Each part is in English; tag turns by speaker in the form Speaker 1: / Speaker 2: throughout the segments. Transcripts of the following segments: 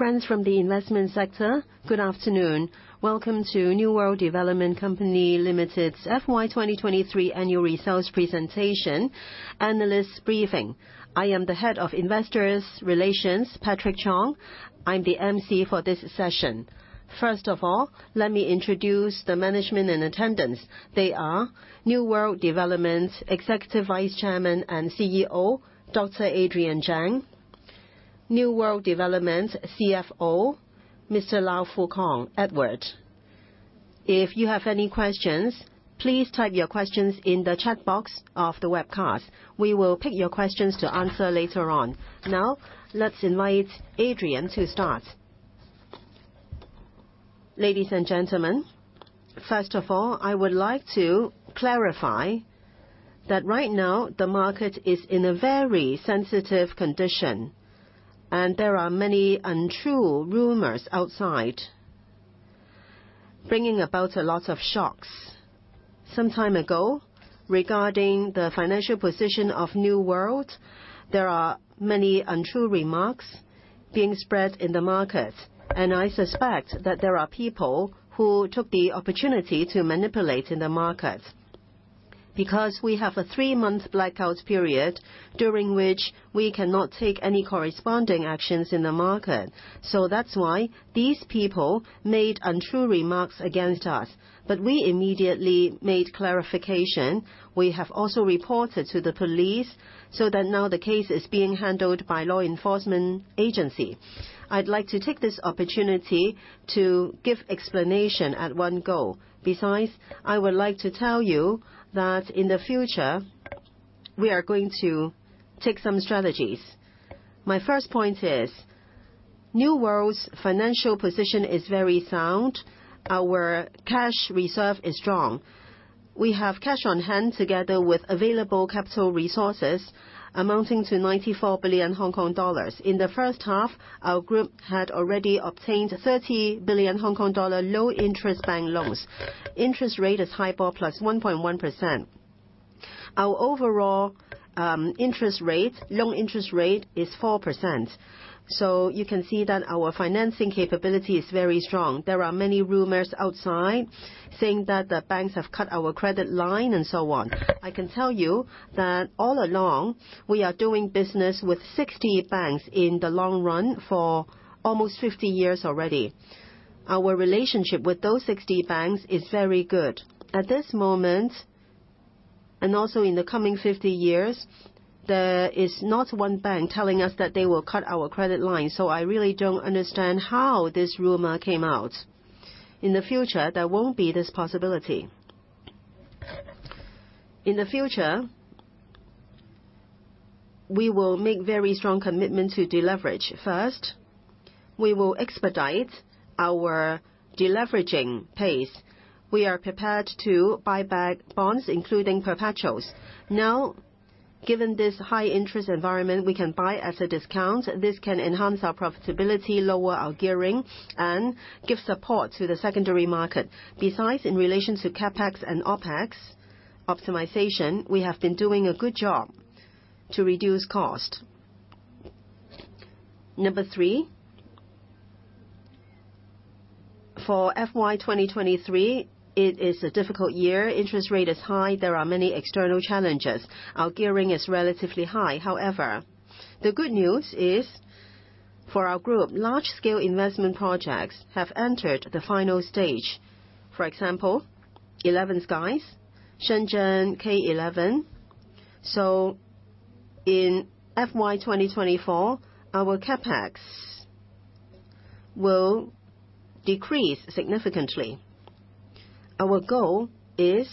Speaker 1: Friends from the investment sector, good afternoon. Welcome to New World Development Company Limited's FY 2023 annual results presentation analyst briefing. I am the Head of Investor Relations, Patrick Chong. I'm the emcee for this session. First of all, let me introduce the management in attendance. They are New World Development's Executive Vice Chairman and CEO, Dr. Adrian Cheng. New World Development's CFO, Mr. Fu Keung, Edward Lau. If you have any questions, please type your questions in the chat box of the webcast. We will pick your questions to answer later on. Now, let's invite Adrian to start.
Speaker 2: Ladies and gentlemen, first of all, I would like to clarify that right now, the market is in a very sensitive condition, and there are many untrue rumors outside, bringing about a lot of shocks. Some time ago, regarding the financial position of New World, there are many untrue remarks being spread in the market, and I suspect that there are people who took the opportunity to manipulate in the market. Because we have a three-month blackout period, during which we cannot take any corresponding actions in the market. So that's why these people made untrue remarks against us, but we immediately made clarification. We have also reported to the police, so that now the case is being handled by law enforcement agency. I'd like to take this opportunity to give explanation at one go. Besides, I would like to tell you that in the future, we are going to take some strategies. My first point is, New World's financial position is very sound. Our cash reserve is strong. We have cash on hand, together with available capital resources amounting to 94 billion Hong Kong dollars. In the first half, our group had already obtained 30 billion Hong Kong dollar low-interest bank loans. Interest rate is high, about +1.1%. Our overall interest rate, loan interest rate is 4%. So you can see that our financing capability is very strong. There are many rumors outside saying that the banks have cut our credit line and so on. I can tell you that all along, we are doing business with 60 banks in the long run for almost 50 years already. Our relationship with those 60 banks is very good. At this moment, and also in the coming 50 years, there is not one bank telling us that they will cut our credit line, so I really don't understand how this rumor came out. In the future, there won't be this possibility. In the future, we will make very strong commitment to deleverage. First, we will expedite our deleveraging pace. We are prepared to buy back bonds, including perpetuals. Now, given this high interest environment, we can buy at a discount. This can enhance our profitability, lower our gearing, and give support to the secondary market. Besides, in relation to CapEx and OpEx optimization, we have been doing a good job to reduce cost. 3, for FY 2023, it is a difficult year. Interest rate is high. There are many external challenges. Our gearing is relatively high. However, the good news is, for our group, large-scale investment projects have entered the final stage. For example, 11skies, Shenzhen K11. So in FY 2024, our CapEx will decrease significantly. Our goal is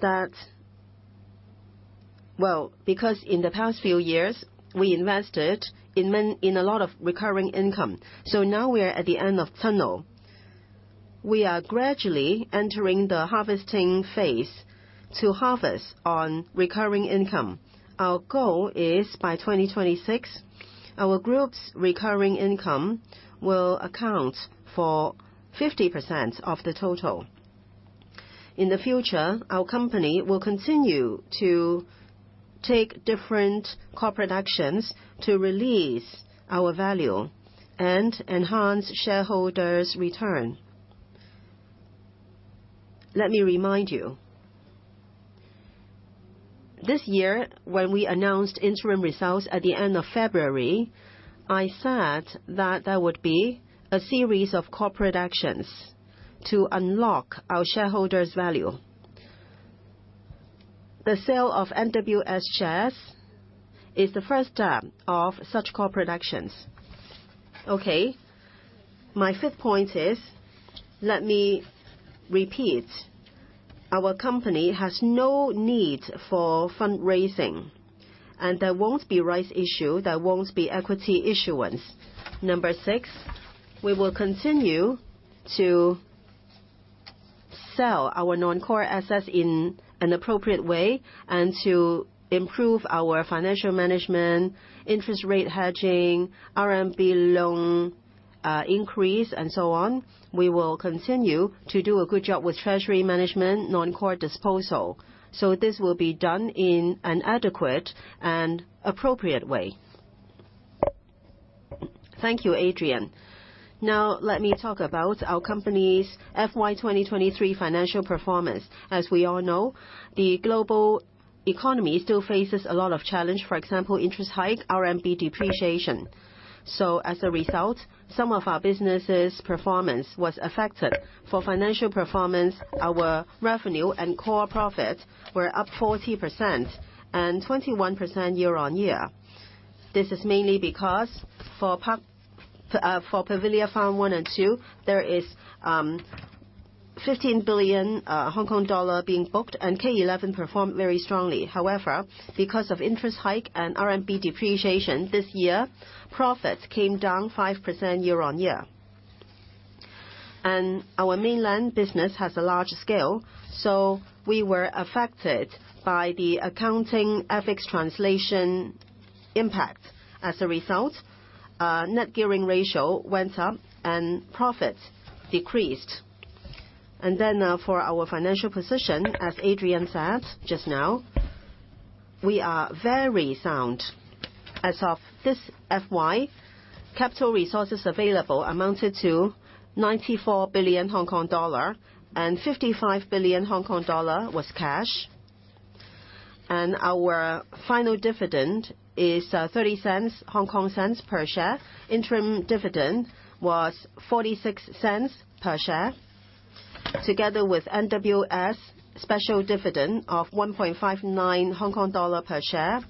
Speaker 2: that... Well, because in the past few years we invested in a lot of recurring income, so now we are at the end of tunnel. We are gradually entering the harvesting phase to harvest on recurring income. Our goal is by 2026, our group's recurring income will account for 50% of the total. In the future, our company will continue to take different corporate actions to release our value and enhance shareholders' return. Let me remind you, this year, when we announced interim results at the end of February, I said that there would be a series of corporate actions to unlock our shareholders' value. The sale of NWS shares is the first term of such corporate actions. Okay, my fifth point is, let me repeat, our company has no need for fundraising, and there won't be rights issue, there won't be equity issuance. Number six, we will continue to sell our non-core assets in an appropriate way and to improve our financial management, interest rate hedging, RMB loan increase and so on, we will continue to do a good job with treasury management, non-core disposal, so this will be done in an adequate and appropriate way.
Speaker 3: Thank you, Adrian. Now, let me talk about our company's FY 2023 financial performance. As we all know, the global economy still faces a lot of challenge. For example, interest hike, RMB depreciation. So as a result, some of our businesses' performance was affected. For financial performance, our revenue and core profit were up 40% and 21% year-on-year. This is mainly because for Pavilia Farm One and Two, there is 15 billion Hong Kong dollar being booked, and K11 performed very strongly. However, because of interest hike and RMB depreciation this year, profits came down 5% year-on-year. And our mainland business has a large scale, so we were affected by the accounting FX translation impact. As a result, Net Gearing Ratio went up and profits decreased. And then, for our financial position, as Adrian said just now, we are very sound. As of this FY, capital resources available amounted to 94 billion Hong Kong dollar, and 55 billion Hong Kong dollar was cash. And our final dividend is 0.30 per share. Interim dividend was 0.46 per share, together with NWS special dividend of 1.59 Hong Kong dollar per share.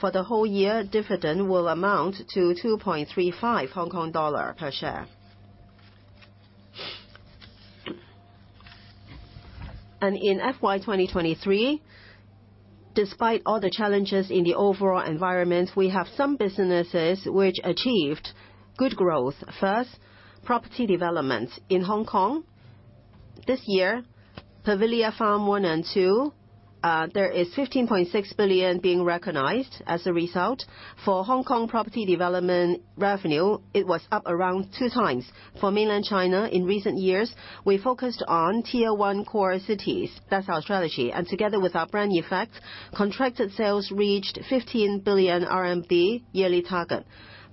Speaker 3: For the whole year, dividend will amount to 2.35 Hong Kong dollar per share. In FY 2023, despite all the challenges in the overall environment, we have some businesses which achieved good growth. First, property development. In Hong Kong, this year, Pavilia Farm One and Two, there is 15.6 billion being recognized as a result. For Hong Kong property development revenue, it was up around 2 times. For Mainland China in recent years, we focused on Tier One core cities. That's our strategy. And together with our brand effect, contracted sales reached 15 billion RMB yearly target.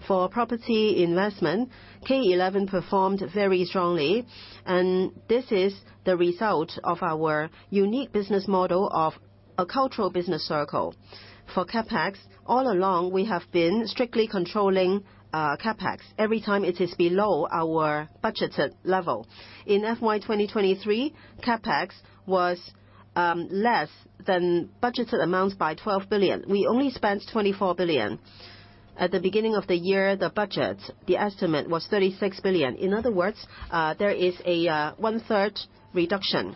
Speaker 3: For property investment, K11 performed very strongly, and this is the result of our unique business model of a cultural business circle. For CapEx, all along, we have been strictly controlling CapEx. Every time, it is below our budgeted level. In FY 2023, CapEx was less than budgeted amounts by 12 billion. We only spent 24 billion. At the beginning of the year, the budget, the estimate was 36 billion. In other words, there is a one-third reduction.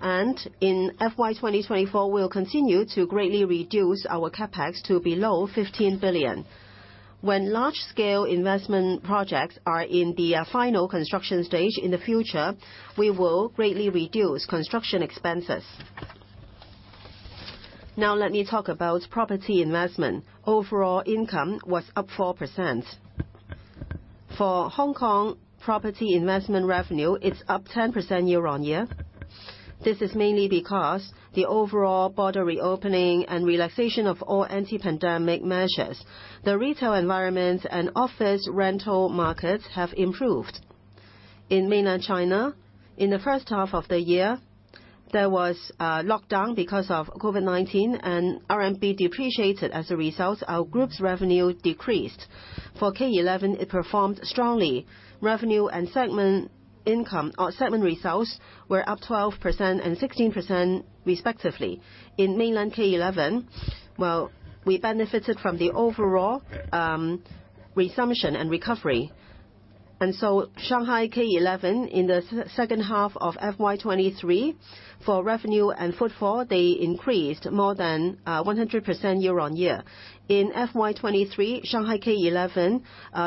Speaker 3: In FY 2024, we'll continue to greatly reduce our CapEx to below 15 billion. When large-scale investment projects are in the final construction stage in the future, we will greatly reduce construction expenses. Now let me talk about property investment. Overall income was up 4%. For Hong Kong, property investment revenue, it's up 10% year-on-year. This is mainly because the overall border reopening and relaxation of all anti-pandemic measures, the retail environment and office rental markets have improved. In Mainland China, in the first half of the year, there was a lockdown because of COVID-19, and RMB depreciated. As a result, our group's revenue decreased. For K11, it performed strongly. Revenue and segment income or segment results were up 12% and 16% respectively. In mainland K11, well, we benefited from the overall resumption and recovery. And so Shanghai K11, in the second half of FY 2023, for revenue and footfall, they increased more than 100% year-on-year. In FY 2023, Shanghai K11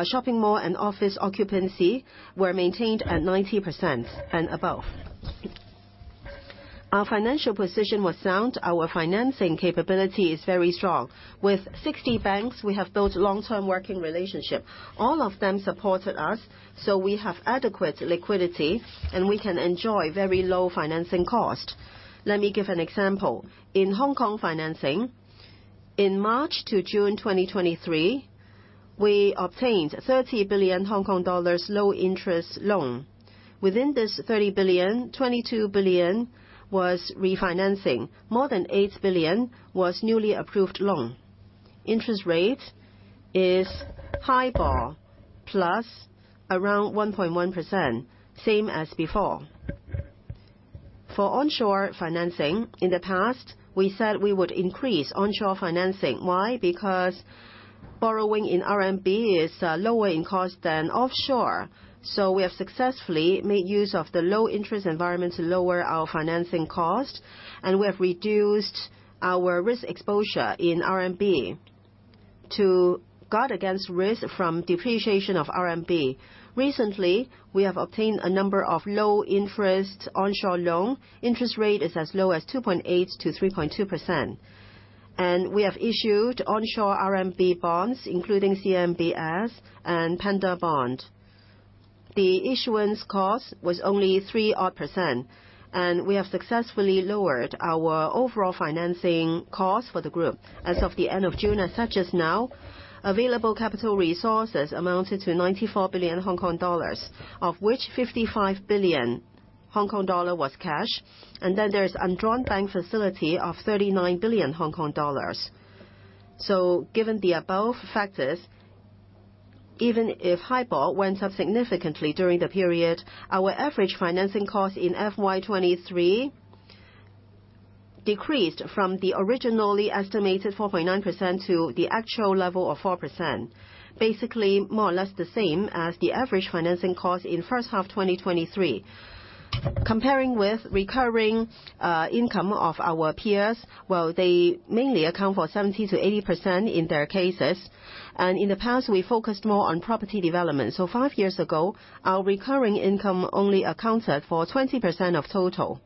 Speaker 3: shopping mall and office occupancy were maintained at 90% and above. Our financial position was sound. Our financing capability is very strong. With 60 banks, we have built long-term working relationship. All of them supported us, so we have adequate liquidity, and we can enjoy very low financing cost. Let me give an example. In Hong Kong financing, in March to June 2023, we obtained 30 billion Hong Kong dollars low interest loan. Within this 30 billion, 22 billion was refinancing. More than 8 billion was newly approved loan. Interest rate is HIBOR plus around 1.1%, same as before. For onshore financing, in the past, we said we would increase onshore financing. Why? Because borrowing in RMB is lower in cost than offshore, so we have successfully made use of the low interest environment to lower our financing cost, and we have reduced our risk exposure in RMB to guard against risk from depreciation of RMB. Recently, we have obtained a number of low interest onshore loan. Interest rate is as low as 2.8%-3.2%.... And we have issued onshore RMB bonds, including CMBS and Panda Bond. The issuance cost was only 3%-odd, and we have successfully lowered our overall financing cost for the group. As of the end of June, as such as now, available capital resources amounted to 94 billion Hong Kong dollars, of which 55 billion Hong Kong dollar was cash, and then there is undrawn bank facility of 39 billion Hong Kong dollars. So given the above factors, even if HIBOR went up significantly during the period, our average financing cost in FY 2023 decreased from the originally estimated 4.9% to the actual level of 4%. Basically, more or less the same as the average financing cost in first half 2023. Comparing with recurring income of our peers, well, they mainly account for 70%-80% in their cases. And in the past, we focused more on property development. So five years ago, our recurring income only accounted for 20% of total.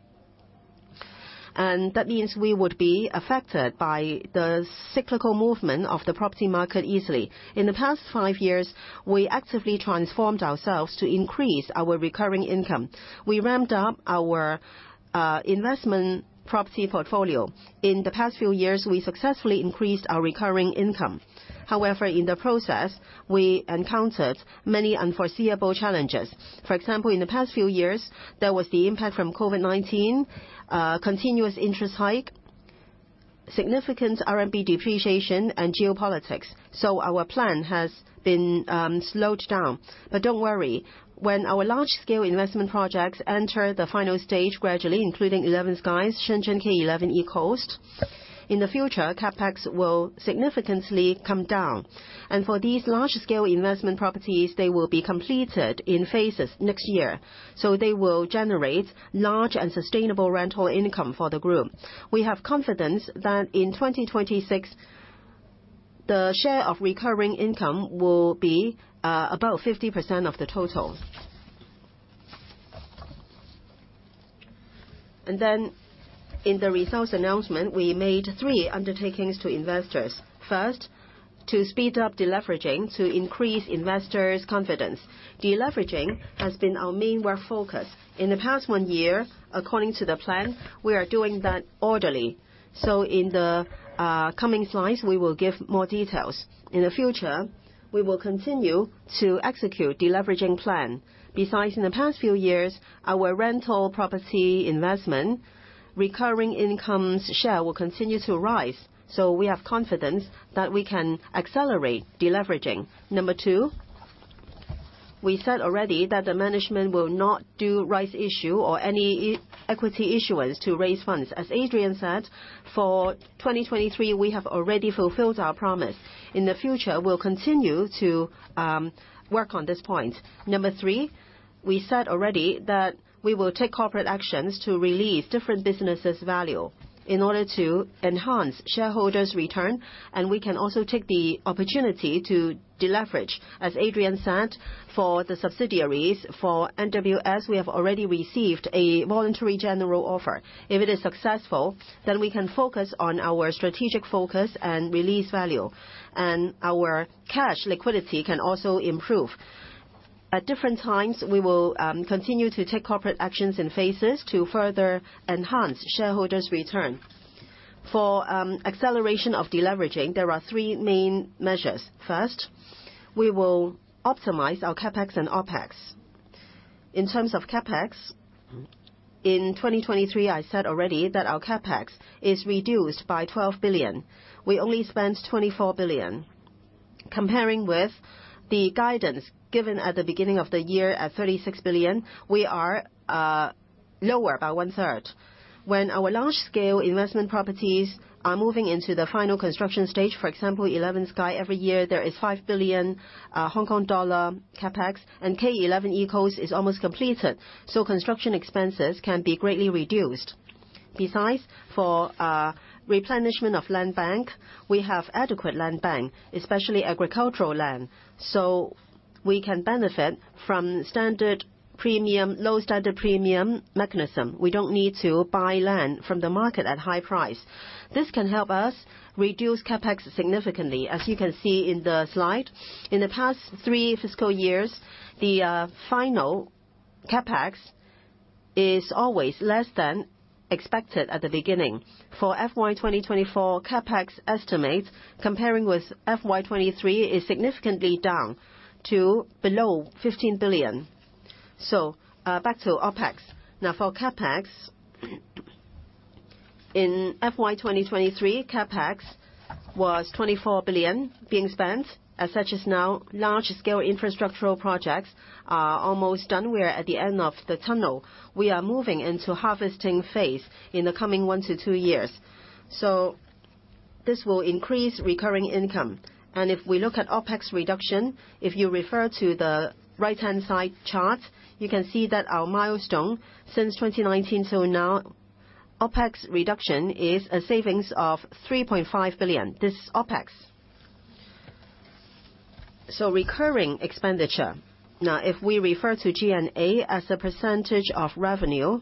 Speaker 3: That means we would be affected by the cyclical movement of the property market easily. In the past 5 years, we actively transformed ourselves to increase our recurring income. We ramped up our investment property portfolio. In the past few years, we successfully increased our recurring income. However, in the process, we encountered many unforeseeable challenges. For example, in the past few years, there was the impact from COVID-19, continuous interest hike, significant RMB depreciation, and geopolitics, so our plan has been slowed down. But don't worry, when our large-scale investment projects enter the final stage gradually, including 11skies, Shenzhen K11 ECOAST. In the future, CapEx will significantly come down, and for these large-scale investment properties, they will be completed in phases next year, so they will generate large and sustainable rental income for the group. We have confidence that in 2026, the share of recurring income will be about 50% of the total. And then in the results announcement, we made three undertakings to investors. First, to speed up deleveraging to increase investors' confidence. Deleveraging has been our main work focus. In the past one year, according to the plan, we are doing that orderly. So in the coming slides, we will give more details. In the future, we will continue to execute deleveraging plan. Besides, in the past few years, our rental property investment, recurring income's share will continue to rise, so we have confidence that we can accelerate deleveraging. Number two, we said already that the management will not do rights issue or any equity issuance to raise funds. As Adrian said, for 2023, we have already fulfilled our promise. In the future, we'll continue to work on this point. Number three, we said already that we will take corporate actions to release different businesses' value in order to enhance shareholders' return, and we can also take the opportunity to deleverage. As Adrian said, for the subsidiaries, for NWS, we have already received a voluntary general offer. If it is successful, then we can focus on our strategic focus and release value, and our cash liquidity can also improve. At different times, we will continue to take corporate actions in phases to further enhance shareholders' return. For acceleration of deleveraging, there are three main measures. First, we will optimize our CapEx and OpEx. In terms of CapEx, in 2023, I said already that our CapEx is reduced by 12 billion. We only spent 24 billion. Comparing with the guidance given at the beginning of the year at 36 billion, we are lower by one-third. When our large-scale investment properties are moving into the final construction stage, for example, 11skies, every year, there is 5 billion Hong Kong dollar CapEx, and K11 ECOAST is almost completed, so construction expenses can be greatly reduced. Besides, for replenishment of land bank, we have adequate land bank, especially agricultural land, so we can benefit from standard premium, low standard premium mechanism. We don't need to buy land from the market at high price. This can help us reduce CapEx significantly. As you can see in the slide, in the past three fiscal years, the final CapEx is always less than expected at the beginning. For FY 2024, CapEx estimates, comparing with FY 2023, is significantly down to below 15 billion. So, back to OpEx. Now for CapEx, in FY 2023, CapEx was 24 billion being spent. As of now, large-scale infrastructural projects are almost done. We are at the end of the tunnel. We are moving into harvesting phase in the coming 1-2 years, so this will increase recurring income. And if we look at OpEx reduction, if you refer to the right-hand side chart, you can see that our milestone since 2019 till now, OpEx reduction is a savings of 3.5 billion. This is OpEx. So recurring expenditure. Now, if we refer to G&A as a percentage of revenue,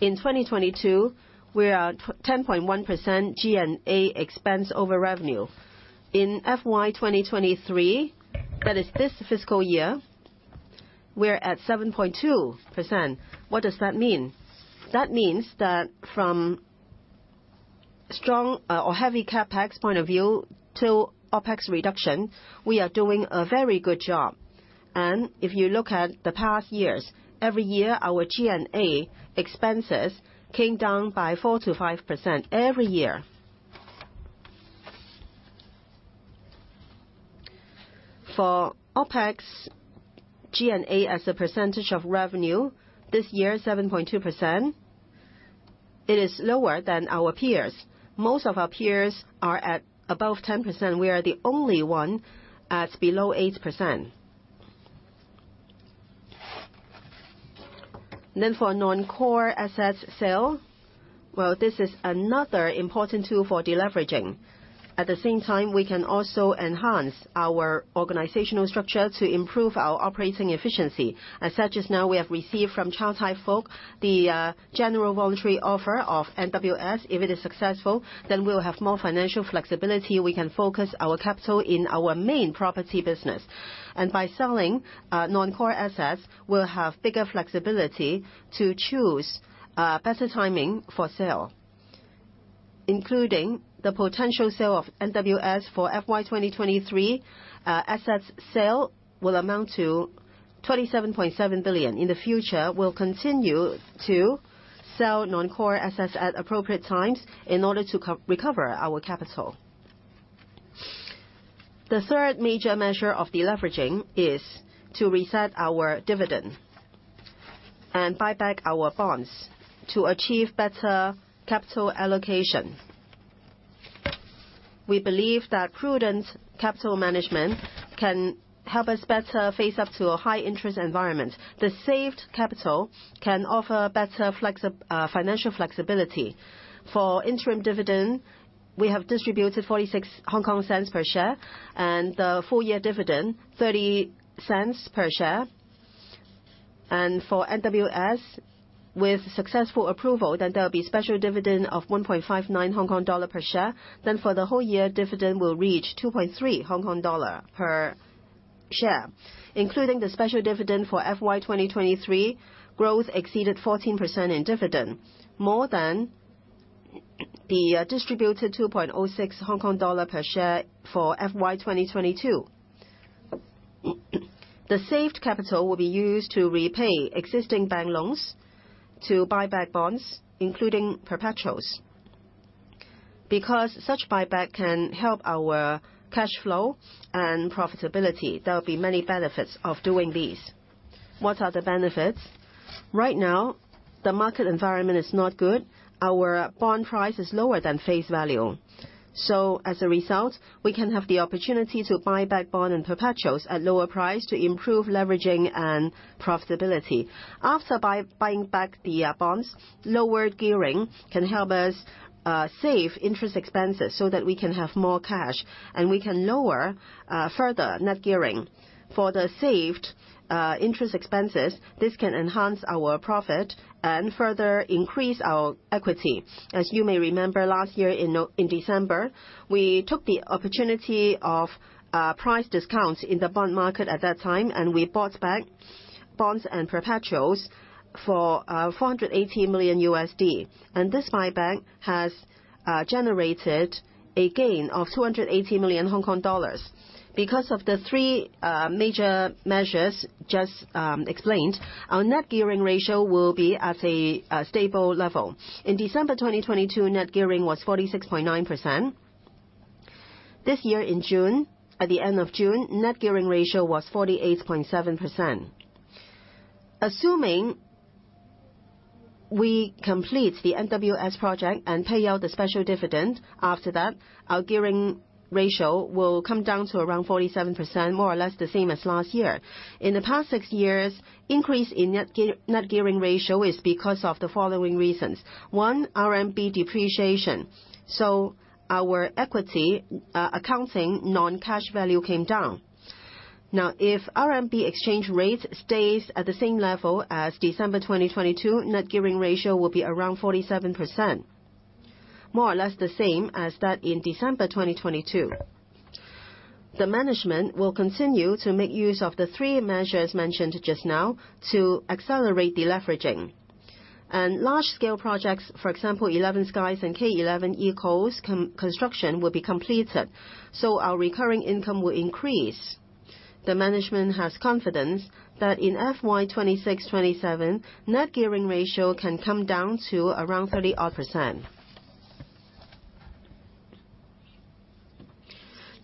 Speaker 3: in 2022, we are at 10.1% G&A expense over revenue. In FY 2023, that is this fiscal year, we're at 7.2%. What does that mean? That means that from strong, or heavy CapEx point of view to OpEx reduction, we are doing a very good job. And if you look at the past years, every year, our G&A expenses came down by 4%-5% every year. For OpEx, G&A, as a percentage of revenue this year, 7.2%, it is lower than our peers. Most of our peers are at above 10%. We are the only one at below 8%. Then for non-core asset sale, well, this is another important tool for deleveraging. At the same time, we can also enhance our organizational structure to improve our operating efficiency. As said just now, we have received from Chow Tai Fook, the, general voluntary offer of NWS. If it is successful, then we'll have more financial flexibility. We can focus our capital in our main property business, and by selling non-core assets, we'll have bigger flexibility to choose better timing for sale, including the potential sale of NWS for FY 2023. Asset sales will amount to 27.7 billion. In the future, we'll continue to sell non-core assets at appropriate times in order to recover our capital. The third major measure of deleveraging is to reset our dividend and buy back our bonds to achieve better capital allocation. We believe that prudent capital management can help us better face up to a high interest environment. The saved capital can offer better financial flexibility. For interim dividend, we have distributed 46 Hong Kong cents per share, and the full year dividend, 30 cents per share. For NWS, with successful approval, then there'll be special dividend of 1.59 Hong Kong dollar per share. For the whole year, dividend will reach 2.3 Hong Kong dollar per share, including the special dividend for FY 2023, growth exceeded 14% in dividend, more than the distributed 2.06 Hong Kong dollar per share for FY 2022. The saved capital will be used to repay existing bank loans to buy back bonds, including perpetuals, because such buyback can help our cash flow and profitability. There will be many benefits of doing these. What are the benefits? Right now, the market environment is not good. Our bond price is lower than face value, so as a result, we can have the opportunity to buy back bond and perpetuals at lower price to improve leveraging and profitability. After buying back the bonds, lower gearing can help us save interest expenses so that we can have more cash, and we can lower further Net Gearing. For the saved interest expenses, this can enhance our profit and further increase our equity. As you may remember, last year in December, we took the opportunity of price discounts in the bond market at that time, and we bought back bonds and perpetuals for HKD 480 million. This buyback has generated a gain of 280 million Hong Kong dollars. Because of the three major measures just explained, our Net Gearing Ratio will be at a stable level. In December 2022, Net Gearing was 46.9%. This year, in June, at the end of June, Net Gearing Ratio was 48.7%. Assuming we complete the NWS project and pay out the special dividend, after that, our gearing ratio will come down to around 47%, more or less the same as last year. In the past six years, increase in net gearing ratio is because of the following reasons. One, RMB depreciation, so our equity, accounting, non-cash value came down. Now, if RMB exchange rate stays at the same level as December 2022, Net Gearing Ratio will be around 47%, more or less the same as that in December 2022. The management will continue to make use of the three measures mentioned just now to accelerate deleveraging. Large-scale projects, for example, 11skies and K11 MUSEA, construction will be completed, so our recurring income will increase. The management has confidence that in FY 2026-2027, Net Gearing Ratio can come down to around 30-odd%.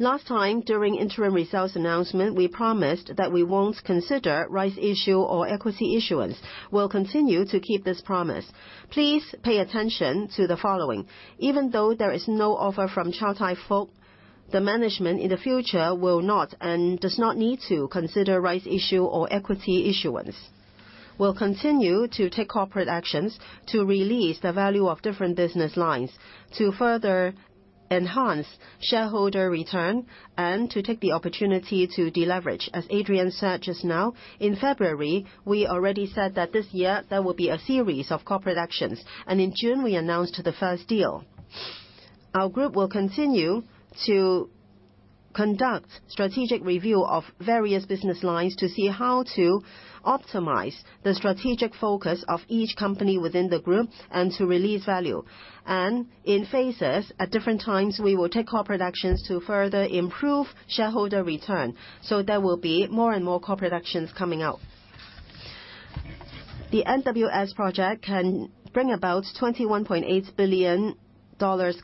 Speaker 3: Last time, during interim results announcement, we promised that we won't consider rights issue or equity issuance. We'll continue to keep this promise. Please pay attention to the following. Even though there is no offer from Chow Tai Fook, the management in the future will not and does not need to consider rights issue or equity issuance... We'll continue to take corporate actions to release the value of different business lines, to further enhance shareholder return, and to take the opportunity to deleverage. As Adrian said just now, in February, we already said that this year there will be a series of corporate actions, and in June, we announced the first deal. Our group will continue to conduct strategic review of various business lines to see how to optimize the strategic focus of each company within the group and to release value. And in phases, at different times, we will take corporate actions to further improve shareholder return. So there will be more and more corporate actions coming out. The NWS project can bring about $21.8 billion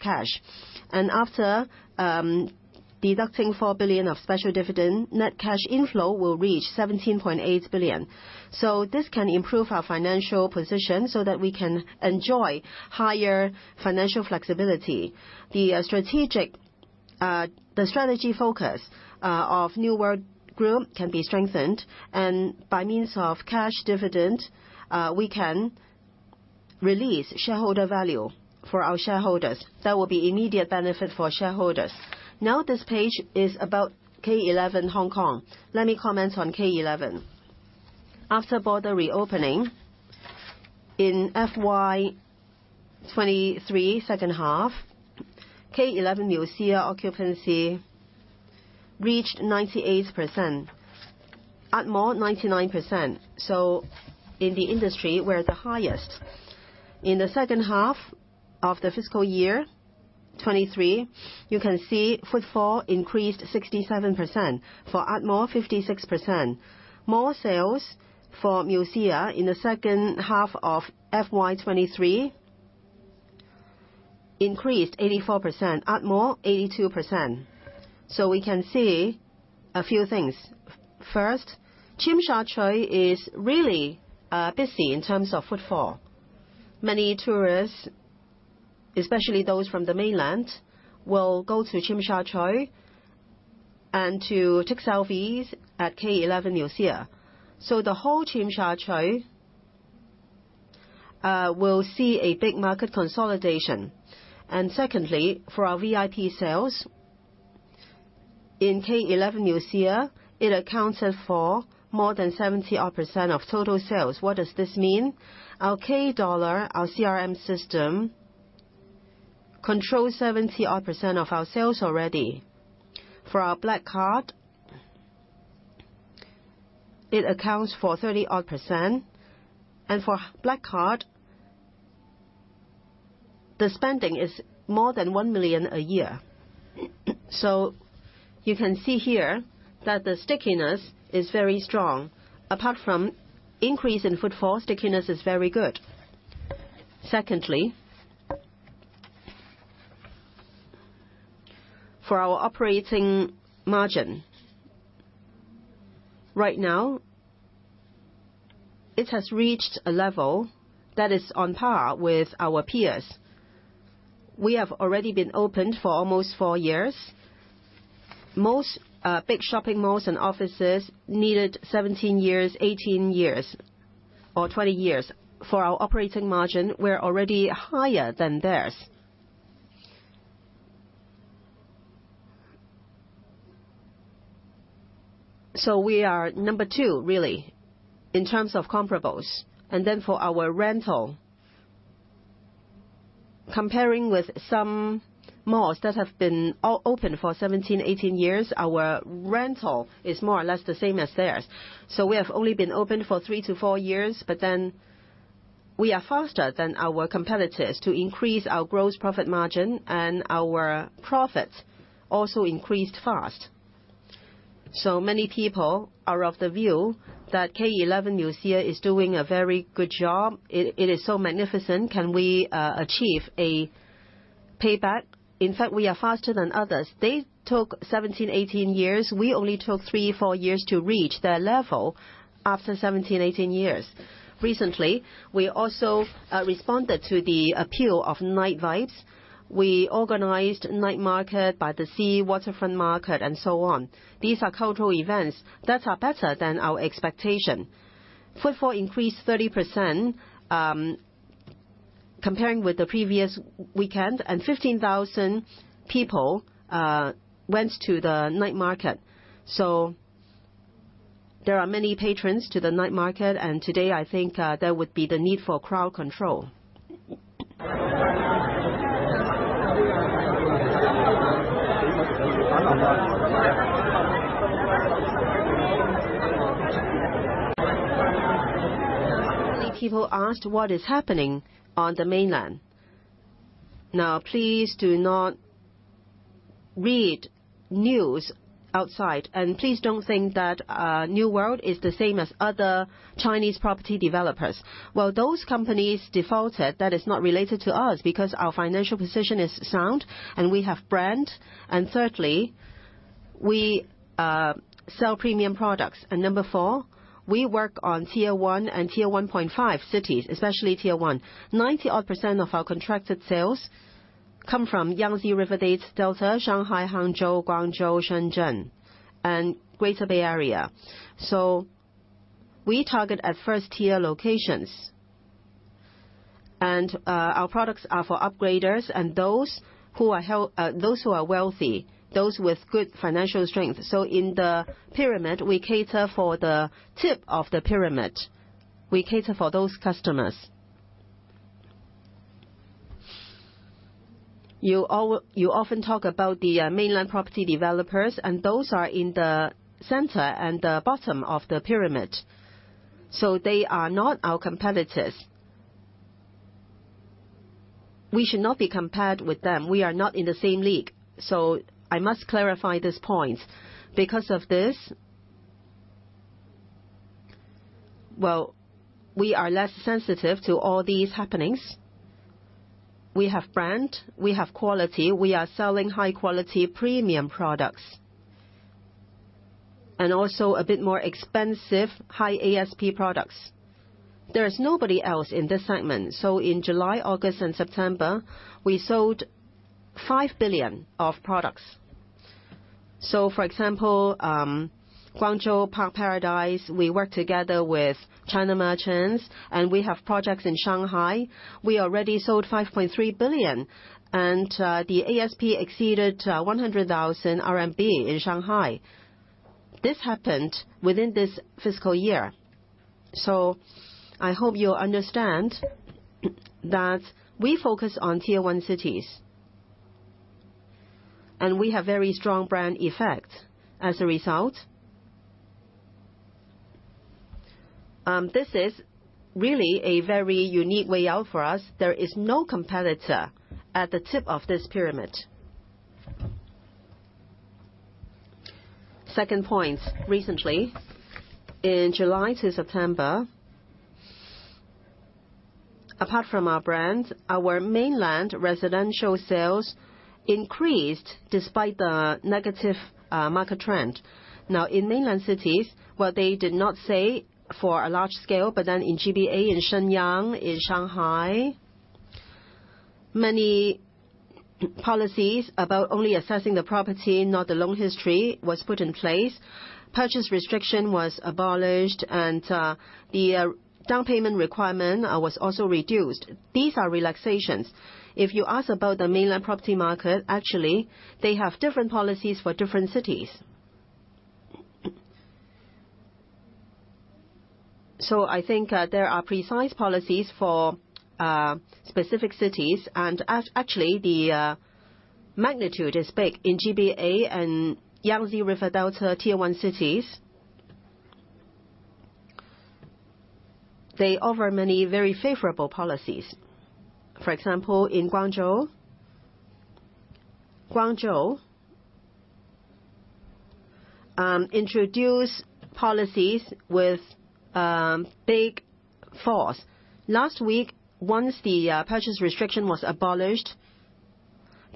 Speaker 3: cash, and after deducting $4 billion of special dividend, net cash inflow will reach $17.8 billion. So this can improve our financial position so that we can enjoy higher financial flexibility. The strategy focus of New World Group can be strengthened, and by means of cash dividend, we can release shareholder value for our shareholders. That will be immediate benefit for shareholders. Now, this page is about K11 Hong Kong. Let me comment on K11. After border reopening, in FY 2023, second half, K11 MUSEA occupancy reached 98%, Art Mall, 99%. So in the industry, we're the highest. In the second half of the fiscal year 2023, you can see footfall increased 67%. For art mall, 56%. Mall sales for MUSEA in the second half of FY 2023 increased 84%, Art Mall, 82%. So we can see a few things. First, Tsim Sha Tsui is really busy in terms of footfall. Many tourists, especially those from the Mainland, will go to Tsim Sha Tsui and to take selfies at K11 MUSEA. So the whole Tsim Sha Tsui will see a big market consolidation. Secondly, for our VIP sales in K11 MUSEA, it accounted for more than 70 odd % of total sales. What does this mean? Our K Dollar, our CRM system, controls 70 odd % of our sales already. For our Black Card, it accounts for 30 odd %, and for Black Card, the spending is more than 1 million a year. So you can see here that the stickiness is very strong. Apart from increase in footfall, stickiness is very good. Secondly, for our operating margin, right now, it has reached a level that is on par with our peers. We have already been opened for almost four years. Most big shopping malls and offices needed 17 years, 18 years, or 20 years. For our operating margin, we're already higher than theirs. So we are number 2, really, in terms of comparables. And then for our rental, comparing with some malls that have been open for 17, 18 years, our rental is more or less the same as theirs. So we have only been open for three to four years, but then we are faster than our competitors to increase our gross profit margin, and our profits also increased fast. So many people are of the view that K11 MUSEA is doing a very good job. It, it is so magnificent. Can we achieve a payback? In fact, we are faster than others. They took 17, 18 years. We only took three to four years to reach their level after 17, 18 years. Recently, we also responded to the appeal of Night Vibes. We organized night market by the sea, waterfront market, and so on. These are cultural events that are better than our expectation. Footfall increased 30% comparing with the previous weekend, and 15,000 people went to the night market. So there are many patrons to the night market, and today, I think there would be the need for crowd control. Many people asked what is happening on the Mainland. Now, please do not read news outside, and please don't think that New World is the same as other Chinese property developers. Well, those companies defaulted, that is not related to us, because our financial position is sound, and we have brand, and thirdly, we sell premium products. Number four, we work on Tier One and Tier One point five cities, especially Tier One. 90-odd% of our contracted sales come from Yangtze River Delta, Shanghai, Hangzhou, Guangzhou, Shenzhen, and Greater Bay Area. So we target at first-tier locations, and our products are for upgraders and those who are wealthy, those with good financial strength. So in the pyramid, we cater for the tip of the pyramid. We cater for those customers. You often talk about the mainland property developers, and those are in the center and the bottom of the pyramid, so they are not our competitors. We should not be compared with them. We are not in the same league, so I must clarify this point. Because of this, well, we are less sensitive to all these happenings. We have brand, we have quality, we are selling high quality, premium products, and also a bit more expensive, high ASP products. There is nobody else in this segment, so in July, August, and September, we sold 5 billion of products. So for example, Guangzhou Park Paradise, we work together with China Merchants, and we have projects in Shanghai. We already sold 5.3 billion, and the ASP exceeded 100,000 RMB in Shanghai. This happened within this fiscal year. So I hope you understand that we focus on Tier One cities. And we have very strong brand effect as a result. This is really a very unique way out for us. There is no competitor at the tip of this pyramid. Second point, recently, in July to September, apart from our brand, our mainland residential sales increased despite the negative market trend. Now, in mainland cities, what they did not say for a large scale, but then in GBA, in Shenyang, in Shanghai, many policies about only assessing the property, not the loan history, was put in place. Purchase restriction was abolished and, the, down payment requirement, was also reduced. These are relaxations. If you ask about the mainland property market, actually, they have different policies for different cities. So I think, there are precise policies for, specific cities, and as actually, the, magnitude is big in GBA and Yangtze River Delta Tier One cities. They offer many very favorable policies. For example, in Guangzhou, Guangzhou, introduced policies with, big force. Last week, once the, purchase restriction was abolished,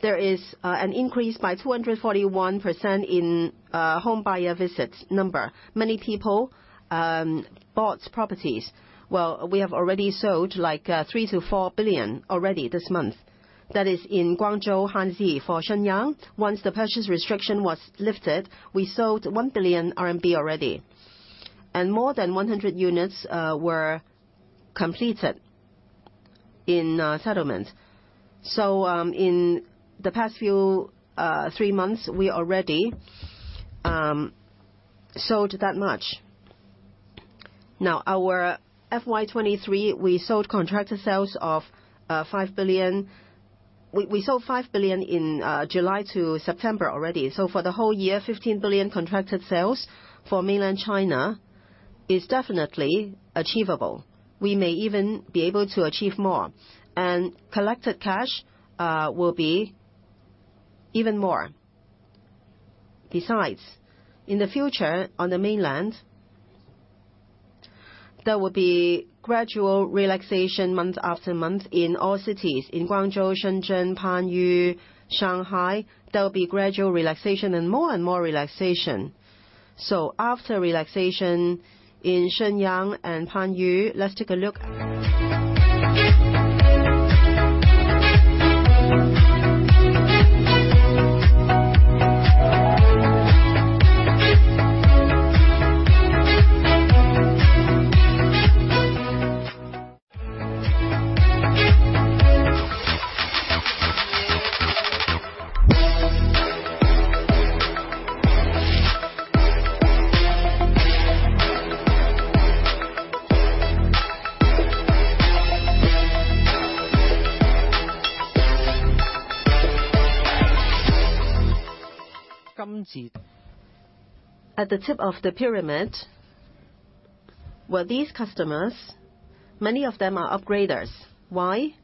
Speaker 3: there is, an increase by 241% in, home buyer visits number. Many people, bought properties. Well, we have already sold, like, 3-4 billion already this month. That is in Guangzhou, Hangzhou. For Shenyang, once the purchase restriction was lifted, we sold 1 billion RMB already, and more than 100 units were completed in settlement. So, in the past few three months, we already sold that much. Now, our FY 2023, we sold contracted sales of 5 billion. We sold 5 billion in July-September already. So for the whole year, 15 billion contracted sales for mainland China is definitely achievable. We may even be able to achieve more, and collected cash will be even more. Besides, in the future, on the mainland, there will be gradual relaxation month after month in all cities. In Guangzhou, Shenzhen, Panyu, Shanghai, there will be gradual relaxation and more and more relaxation.
Speaker 2: So after relaxation in Shenyang and Panyu, let's take a look. At the tip of the pyramid, well, these customers, many of them are upgraders. Why?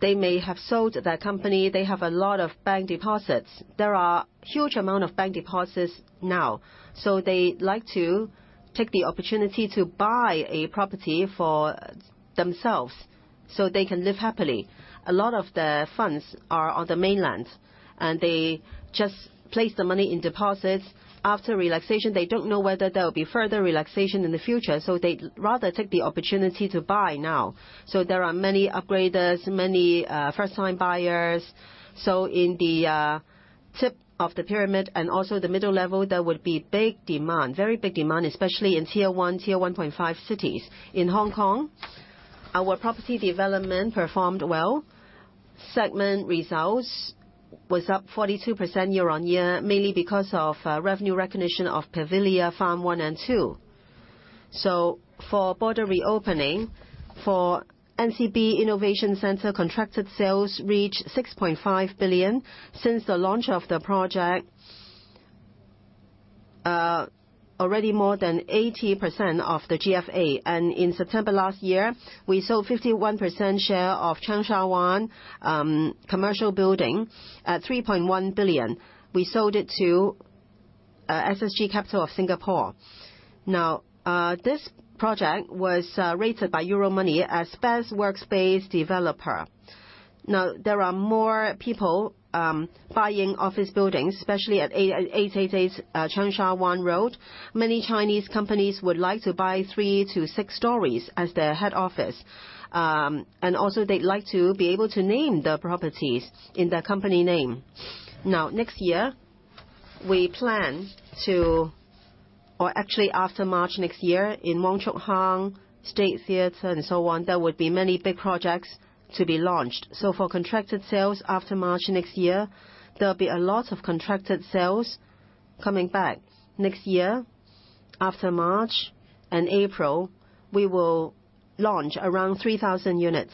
Speaker 2: They may have sold their company, they have a lot of bank deposits. There are huge amount of bank deposits now, so they like to take the opportunity to buy a property for themselves... so they can live happily. A lot of the funds are on the mainland, and they just place the money in deposits. After relaxation, they don't know whether there will be further relaxation in the future, so they'd rather take the opportunity to buy now. So there are many upgraders, many, first-time buyers. So in the tip of the pyramid and also the middle level, there would be big demand, very big demand, especially in Tier One, Tier One point five cities. In Hong Kong, our property development performed well. Segment results was up 42% year-on-year, mainly because of revenue recognition of Pavilia Farm one and two. So for border reopening, for NCB Innovation Centre, contracted sales reached 6.5 billion. Since the launch of the project, already more than 80% of the GFA, and in September last year, we sold 51% share of Cheung Sha Wan commercial building at 3.1 billion. We sold it to SSG Capital of Singapore. Now, this project was rated by Euromoney as best workspace developer. Now, there are more people buying office buildings, especially at 8888 Cheung Sha Wan Road. Many Chinese companies would like to buy three to six stories as their head office. And also they'd like to be able to name the properties in their company name. Now, next year, we plan to... Or actually after March next year, in Wong Chuk Hang, State Theatre and so on, there would be many big projects to be launched. So for contracted sales after March next year, there'll be a lot of contracted sales coming back. Next year, after March and April, we will launch around 3,000 units,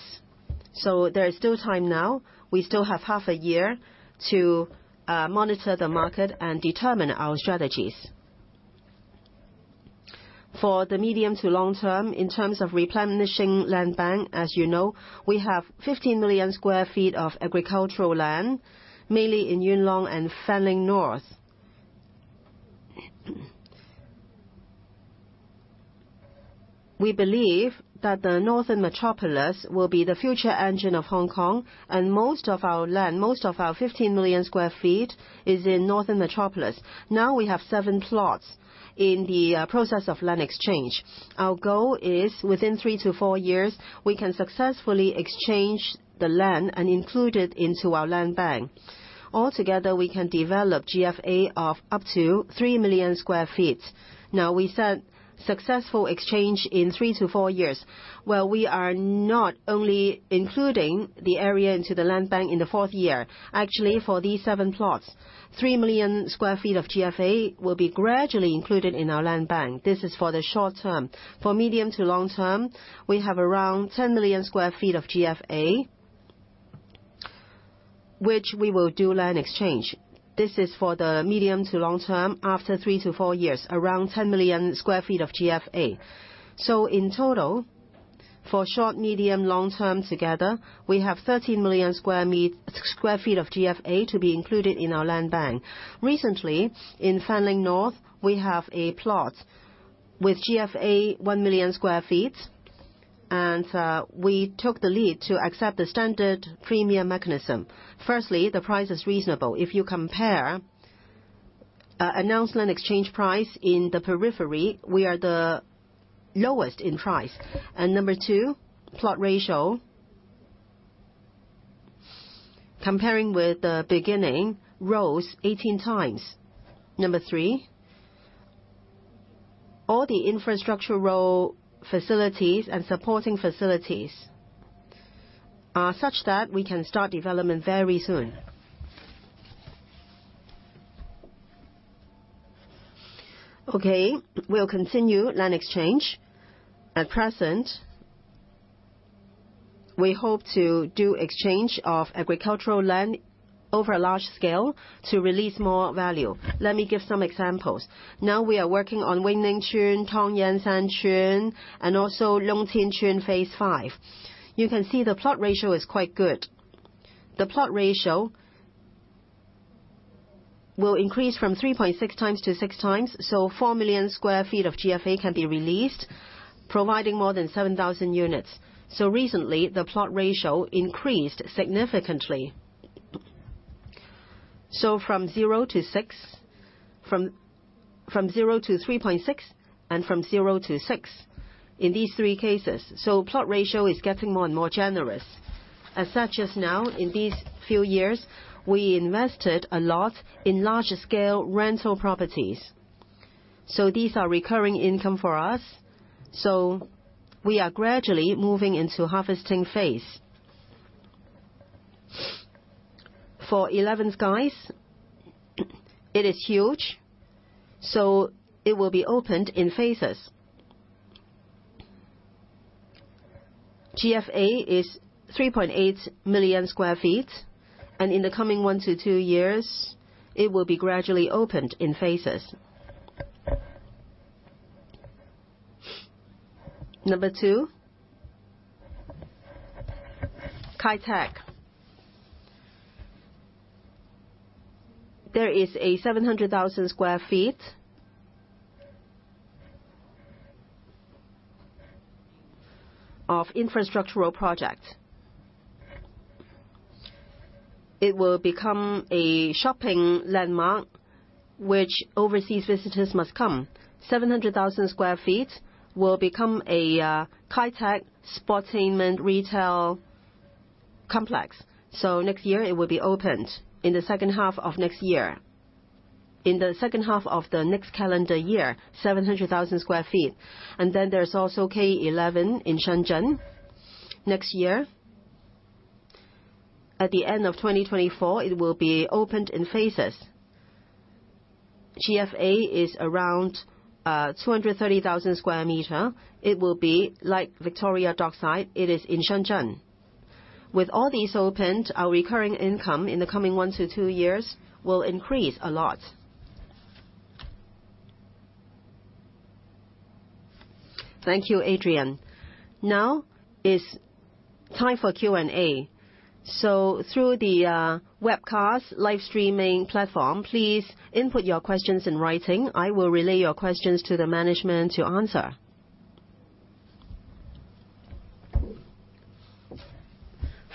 Speaker 2: so there is still time now. We still have half a year to monitor the market and determine our strategies. For the medium to long term, in terms of replenishing land bank, as you know, we have 15 million sq ft of agricultural land, mainly in Yuen Long and Fanling North. We believe that the Northern Metropolis will be the future engine of Hong Kong, and most of our land, most of our 15 million sq ft is in Northern Metropolis. Now, we have seven plots in the process of land exchange. Our goal is, within three to four years, we can successfully exchange the land and include it into our land bank. Altogether, we can develop GFA of up to 3 million sq ft. Now, we said successful exchange in three to four years. Well, we are not only including the area into the land bank in the fourth year. Actually, for these seven plots, 3 million sq ft of GFA will be gradually included in our land bank. This is for the short term. For medium to long-term, we have around 10 million sq ft of GFA, which we will do land exchange. This is for the medium to long-term, after three to four years, around 10 million sq ft of GFA. So in total, for short, medium, long-term together, we have 13 million sq ft of GFA to be included in our land bank. Recently, in Fanling North, we have a plot with GFA 1 million sq ft, and we took the lead to accept the standard premium mechanism. Firstly, the price is reasonable. If you compare announcement exchange price in the periphery, we are the lowest in price. And number two, plot ratio, comparing with the beginning, rose 18 times. Number three, all the infrastructural facilities and supporting facilities are such that we can start development very soon. Okay, we'll continue land exchange. At present, we hope to do exchange of agricultural land over a large scale to release more value. Let me give some examples. Now, we are working on Wing Ning Tsuen, Tong Yan San Tsuen, and also Lung Tin Tsuen Phase Five. You can see the plot ratio is quite good. The plot ratio will increase from 3.6x to 6x, so 4 million sq ft of GFA can be released, providing more than 7,000 units. So recently, the plot ratio increased significantly. So from 0-6—from zero to 3.6 and from 0-6 in these three cases, so plot ratio is getting more and more generous. As such, as now, in these few years, we invested a lot in larger scale rental properties, so these are recurring income for us, so we are gradually moving into harvesting phase. For 11skies, it is huge, so it will be opened in phases. GFA is 3.8 million sq ft, and in the coming one to two years, it will be gradually opened in phases. Number two, Kai Tak.... There is a 700,000 sq ft infrastructural project. It will become a shopping landmark, which overseas visitors must come. 700,000 sq ft will become a high-tech sportainment retail complex. So next year, it will be opened in the second half of next year. In the second half of the next calendar year, 700,000 sq ft, and then there's also K11 in Shenzhen next year. At the end of 2024, it will be opened in phases. GFA is around 230,000 square meters. It will be like Victoria Dockside. It is in Shenzhen. With all these opened, our recurring income in the coming 1-2 years will increase a lot.
Speaker 1: Thank you, Adrian. Now it's time for Q&A. So through the webcast live streaming platform, please input your questions in writing. I will relay your questions to the management to answer.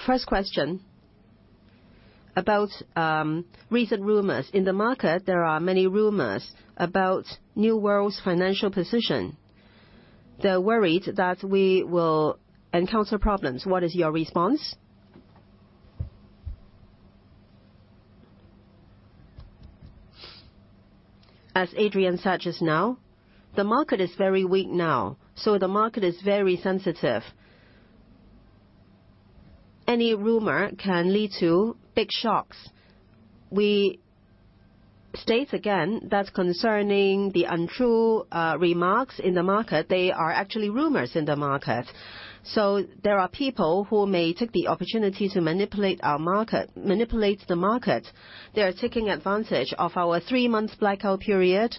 Speaker 1: First question, about recent rumors. In the market, there are many rumors about New World's financial position. They're worried that we will encounter problems. What is your response?
Speaker 3: As Adrian said just now, the market is very weak now, so the market is very sensitive. Any rumor can lead to big shocks. We state again that concerning the untrue remarks in the market, they are actually rumors in the market. So there are people who may take the opportunity to manipulate the market. They are taking advantage of our three-month blackout period.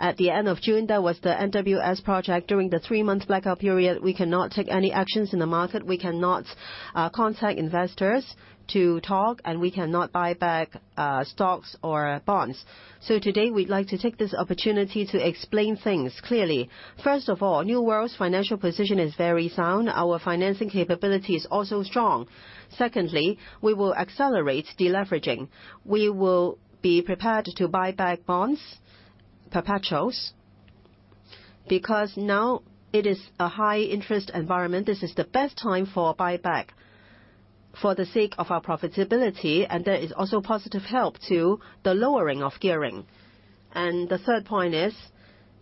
Speaker 3: At the end of June, there was the NWS project. During the three-month blackout period, we cannot take any actions in the market, we cannot contact investors to talk, and we cannot buy back stocks or bonds. So today, we'd like to take this opportunity to explain things clearly. First of all, New World's financial position is very sound. Our financing capability is also strong. Secondly, we will accelerate deleveraging. We will be prepared to buy back bonds, perpetuals, because now it is a high interest environment. This is the best time for buyback for the sake of our profitability, and there is also positive help to the lowering of gearing. The third point is,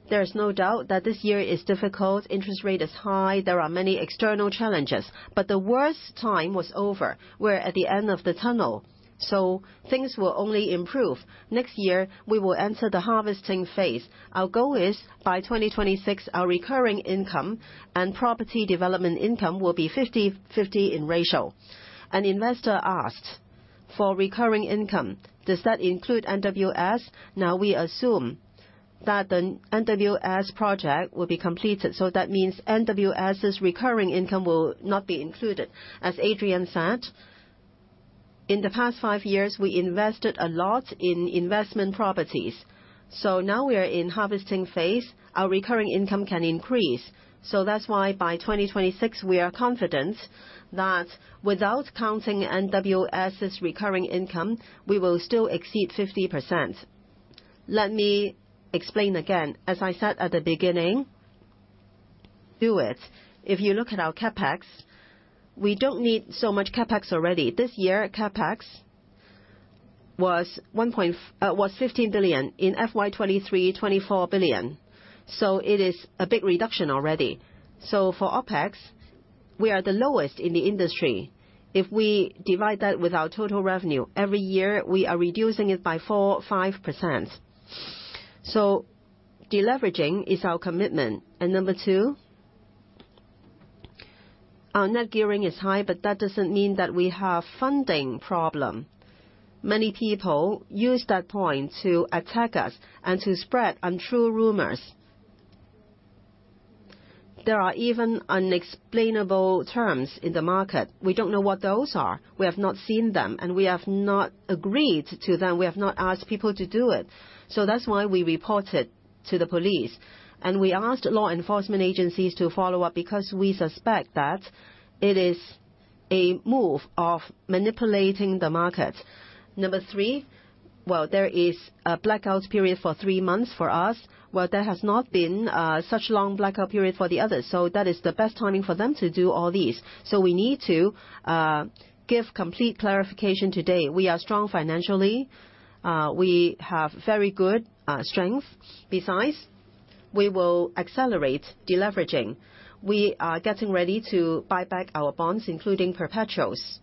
Speaker 3: there is no doubt that this year is difficult, interest rate is high, there are many external challenges, but the worst time was over. We're at the end of the tunnel, so things will only improve. Next year, we will enter the harvesting phase. Our goal is, by 2026, our recurring income and property development income will be 50/50 in ratio. An investor asked for recurring income: does that include NWS? Now, we assume that the NWS project will be completed, so that means NWS's recurring income will not be included. As Adrian said, in the past five years, we invested a lot in investment properties, so now we are in harvesting phase. Our recurring income can increase. So that's why, by 2026, we are confident that without counting NWS's recurring income, we will still exceed 50%. Let me explain again. As I said at the beginning, do it. If you look at our CapEx, we don't need so much CapEx already. This year, CapEx was one point... was 15 billion. In FY 2023, 24 billion, so it is a big reduction already. So for OpEx, we are the lowest in the industry. If we divide that with our total revenue, every year, we are reducing it by 4-5%. Deleveraging is our commitment. Number two, our net gearing is high, but that doesn't mean that we have funding problem. Many people use that point to attack us and to spread untrue rumors. There are even unexplainable terms in the market. We don't know what those are. We have not seen them, and we have not agreed to them. We have not asked people to do it. So that's why we reported to the police, and we asked law enforcement agencies to follow up, because we suspect that it is a move of manipulating the market. 3, well, there is a blackout period for 3 months for us, while there has not been such long blackout period for the others, so that is the best timing for them to do all these. So we need to give complete clarification today. We are strong financially. We have very good strength. Besides, we will accelerate deleveraging. We are getting ready to buy back our bonds, including perpetuals.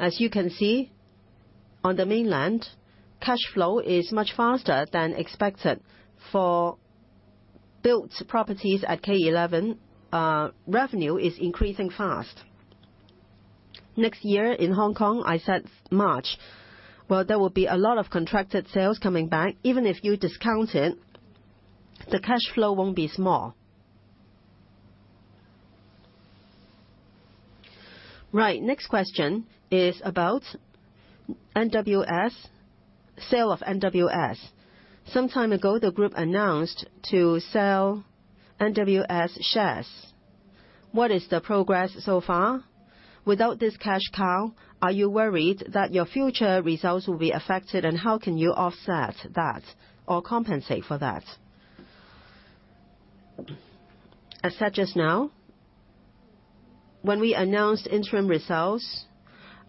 Speaker 3: As you can see, on the mainland, cash flow is much faster than expected. For built properties at K11, revenue is increasing fast. Next year, in Hong Kong, I said March, well, there will be a lot of contracted sales coming back. Even if you discount it, the cash flow won't be small.
Speaker 1: Right, next question is about NWS, sale of NWS. Some time ago, the group announced to sell NWS shares. What is the progress so far? Without this cash cow, are you worried that your future results will be affected, and how can you offset that or compensate for that?
Speaker 3: As said just now, when we announced interim results,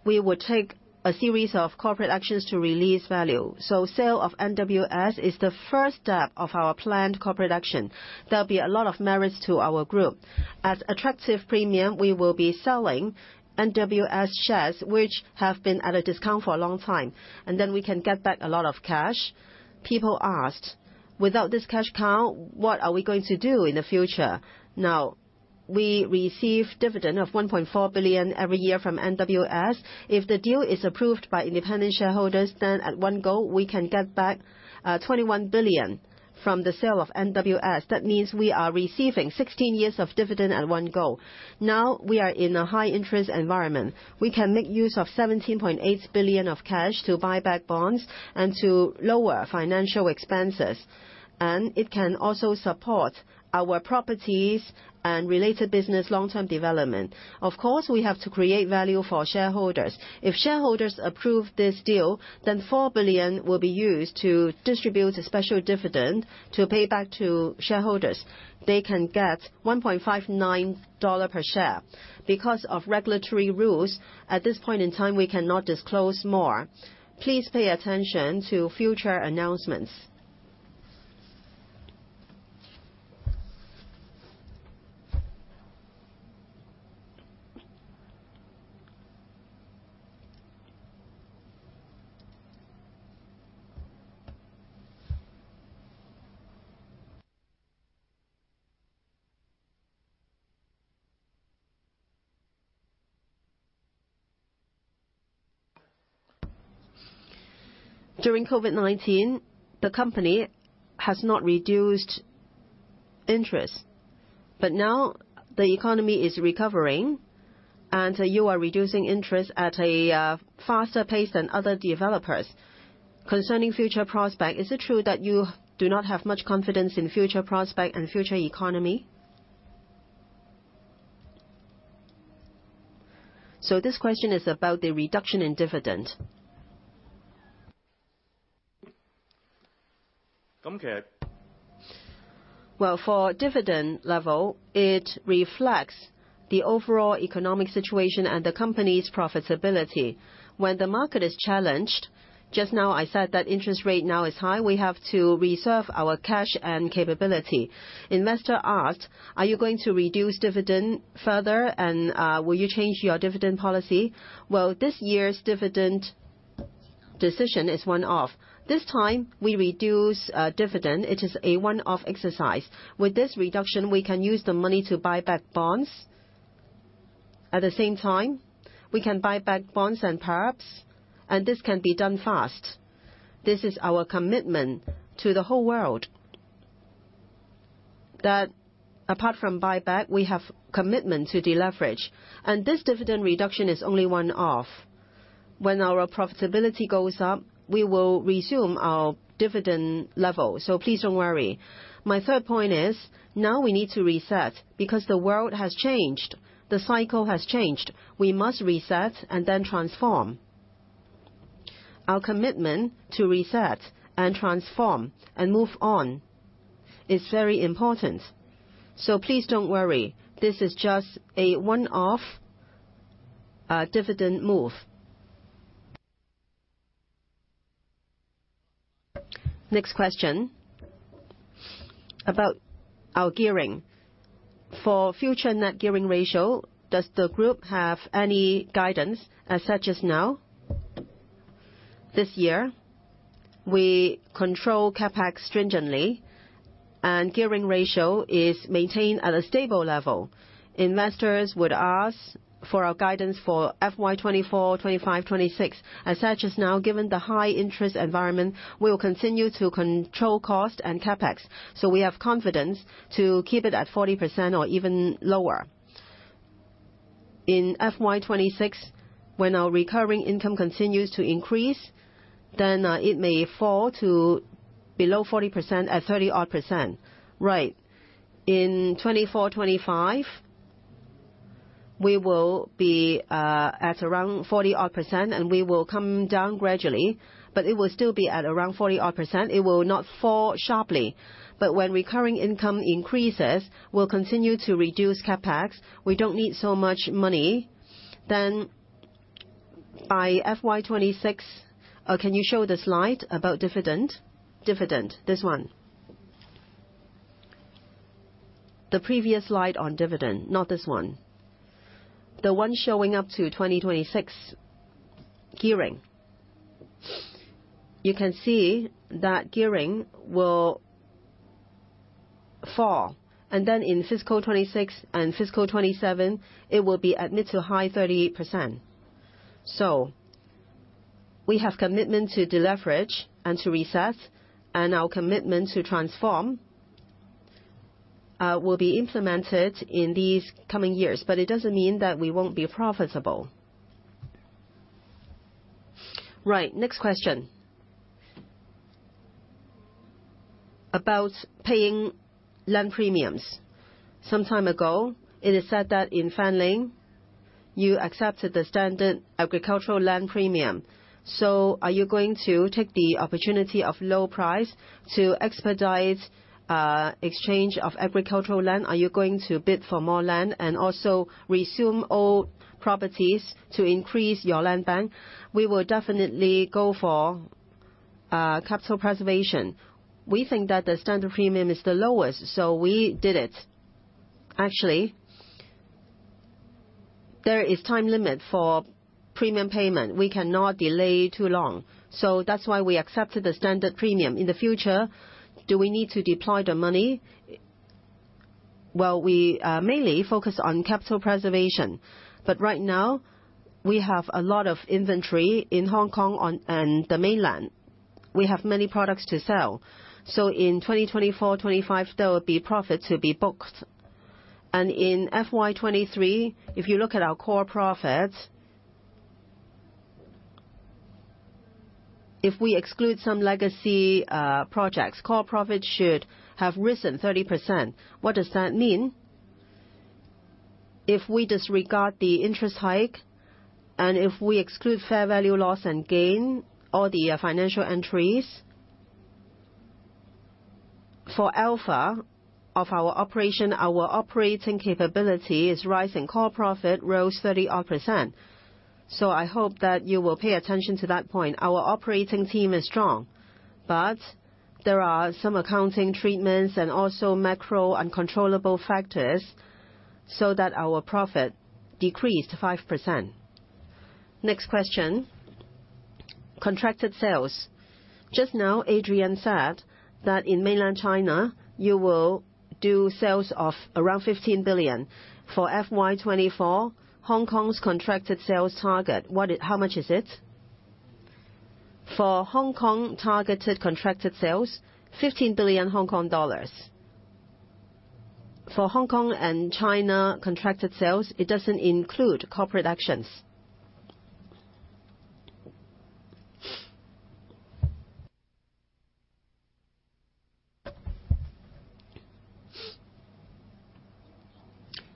Speaker 3: we would take a series of corporate actions to release value. So sale of NWS is the first step of our planned corporate action. There'll be a lot of merits to our group. At attractive premium, we will be selling NWS shares, which have been at a discount for a long time, and then we can get back a lot of cash. People asked, "Without this cash cow, what are we going to do in the future?" Now, we receive dividend of 1.4 billion every year from NWS. If the deal is approved by independent shareholders, then at one go, we can get back 21 billion from the sale of NWS. That means we are receiving 16 years of dividend at one go. Now, we are in a high interest environment. We can make use of 17.8 billion of cash to buy back bonds and to lower financial expenses, and it can also support our properties and related business long-term development. Of course, we have to create value for shareholders. If shareholders approve this deal, then HKD 4 billion will be used to distribute a special dividend to pay back to shareholders. They can get 1.59 dollar per share. Because of regulatory rules, at this point in time, we cannot disclose more. Please pay attention to future announcements.
Speaker 1: During COVID-19, the company has not reduced interest, but now the economy is recovering, and you are reducing interest at a faster pace than other developers. Concerning future prospect, is it true that you do not have much confidence in future prospect and future economy? So this question is about the reduction in dividend.
Speaker 3: Okay. Well, for dividend level, it reflects the overall economic situation and the company's profitability. When the market is challenged, just now, I said that interest rate now is high, we have to reserve our cash and capability. Investor asked: Are you going to reduce dividend further, and will you change your dividend policy? Well, this year's dividend decision is one-off. This time, we reduce dividend. It is a one-off exercise. With this reduction, we can use the money to buy back bonds. At the same time, we can buy back bonds and PERPS, and this can be done fast. This is our commitment to the whole world, that apart from buyback, we have commitment to deleverage, and this dividend reduction is only one-off. When our profitability goes up, we will resume our dividend level, so please don't worry. My third point is, now we need to reset because the world has changed, the cycle has changed. We must reset and then transform. Our commitment to reset and transform and move on is very important. So please don't worry, this is just a one-off, dividend move.
Speaker 1: Next question, about our gearing. For future net gearing ratio, does the group have any guidance, as such as now?
Speaker 3: This year, we control CapEx stringently, and gearing ratio is maintained at a stable level. Investors would ask for our guidance for FY 2024, 2025, 2026. As such, now, given the high interest environment, we will continue to control cost and CapEx, so we have confidence to keep it at 40% or even lower. In FY 2026, when our recurring income continues to increase, then, it may fall to below 40% at 30-odd%. Right. In 2024, 2025, we will be at around 40-odd%, and we will come down gradually, but it will still be at around 40-odd%. It will not fall sharply. But when recurring income increases, we'll continue to reduce CapEx. We don't need so much money. Then by FY 2026... Can you show the slide about dividend? Dividend, this one. The previous slide on dividend, not this one. The one showing up to 2026 gearing. You can see that gearing will fall, and then in fiscal 2026 and fiscal 2027, it will be at mid- to high 38%. We have commitment to deleverage and to reset, and our commitment to transform will be implemented in these coming years, but it doesn't mean that we won't be profitable.
Speaker 1: Right, next question. About paying land premiums. Some time ago, it is said that in Fanling, you accepted the standard agricultural land premium. So are you going to take the opportunity of low price to expedite exchange of agricultural land? Are you going to bid for more land and also resume old properties to increase your land bank?
Speaker 3: We will definitely go for capital preservation. We think that the standard premium is the lowest, so we did it. Actually, there is time limit for premium payment. We cannot delay too long, so that's why we accepted the standard premium. In the future, do we need to deploy the money? Well, we mainly focus on capital preservation, but right now, we have a lot of inventory in Hong Kong on, and the Mainland. We have many products to sell, so in 2024, 2025, there will be profit to be booked. And in FY 2023, if you look at our core profit, if we exclude some legacy projects, core profit should have risen 30%. What does that mean? If we disregard the interest hike, and if we exclude fair value, loss and gain, all the financial entries, for alpha of our operation, our operating capability is rising. Core profit rose 30-odd%. So I hope that you will pay attention to that point. Our operating team is strong, but there are some accounting treatments and also macro uncontrollable factors so that our profit decreased 5%. Next question, contracted sales. Just now, Adrian said that in Mainland China, you will do sales of around 15 billion. For FY 2024, Hong Kong's contracted sales target, what is it? How much is it? For Hong Kong, targeted contracted sales, 15 billion Hong Kong dollars. For Hong Kong and China contracted sales, it doesn't include corporate actions.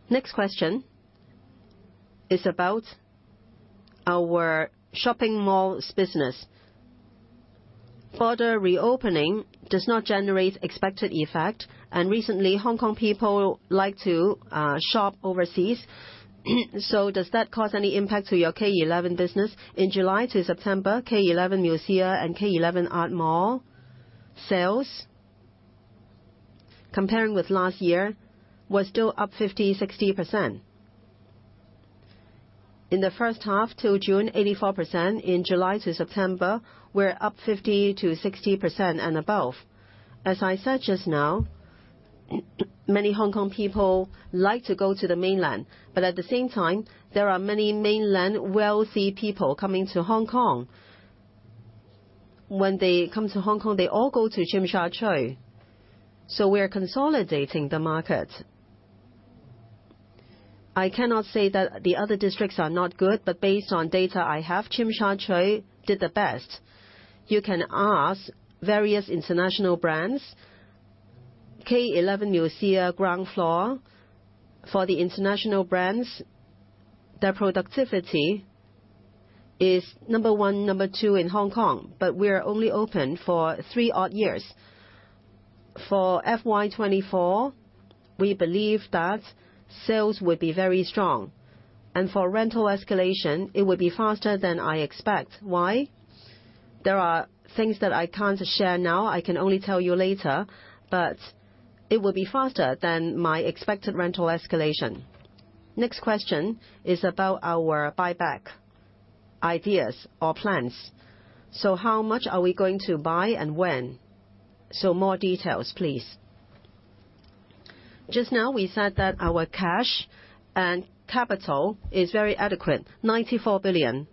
Speaker 1: Next question is about our shopping malls business. Border reopening does not generate expected effect, and recently, Hong Kong people like to shop overseas. So does that cause any impact to your K11 business?
Speaker 3: In July to September, K11 MUSEA and K11 ATELIER mall sales, comparing with last year, was still up 50%-60%. In the first half to June, 84%. In July to September, we're up 50%-60% and above. As I said just now, many Hong Kong people like to go to the Mainland, but at the same time, there are many Mainland wealthy people coming to Hong Kong. When they come to Hong Kong, they all go to Tsim Sha Tsui, so we are consolidating the market. I cannot say that the other districts are not good, but based on data I have, Tsim Sha Tsui did the best. You can ask various international brands, K11 MUSEA ground floor. For the international brands, their productivity is number one, number two in Hong Kong, but we are only open for three odd years. For FY 2024, we believe that sales will be very strong, and for rental escalation, it will be faster than I expect. Why? There are things that I can't share now, I can only tell you later, but it will be faster than my expected rental escalation.
Speaker 1: Next question is about our buyback ideas or plans. So how much are we going to buy and when? So more details, please.
Speaker 3: Just now, we said that our cash and capital is very adequate, 94 billion,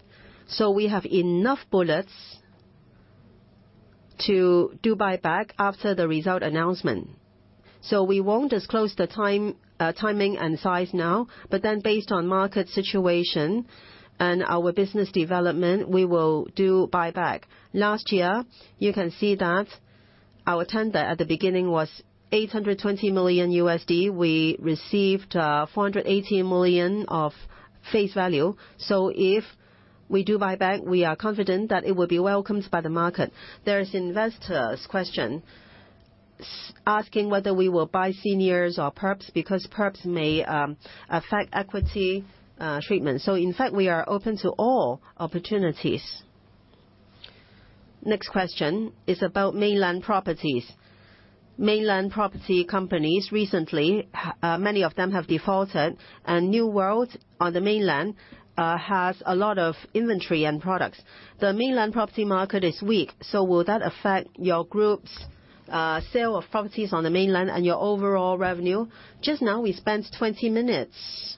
Speaker 3: so we have enough bullets to do buyback after the result announcement. So we won't disclose the time, timing and size now, but then based on market situation and our business development, we will do buyback. Last year, you can see that our tender at the beginning was $820 million. We received, $480 million of face value. So if we do buyback, we are confident that it will be welcomed by the market. There is investors' question asking whether we will buy seniors or perps, because perps may affect equity treatment. So in fact, we are open to all opportunities.
Speaker 1: Next question is about Mainland properties. Mainland property companies, recently, many of them have defaulted, and New World on the Mainland has a lot of inventory and products. The Mainland property market is weak, so will that affect your group's sale of properties on the Mainland and your overall revenue?
Speaker 3: Just now, we spent 20 minutes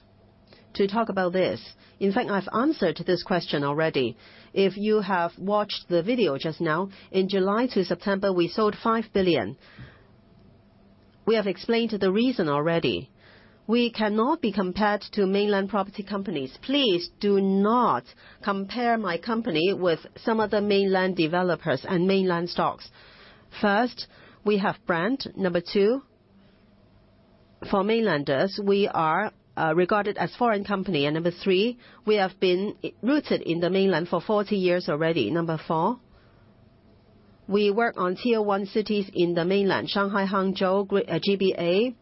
Speaker 3: to talk about this. In fact, I've answered this question already. If you have watched the video just now, in July to September, we sold 5 billion. We have explained the reason already. We cannot be compared to Mainland property companies. Please do not compare my company with some other Mainland developers and Mainland stocks. First, we have brand. Number 2, for mainlanders, we are regarded as foreign company. Number 3, we have been rooted in the mainland for 40 years already. Number 4, we work on tier one cities in the mainland, Shanghai, Hangzhou, GBA,